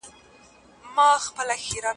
که ښکلا وي نو لیکوال یې.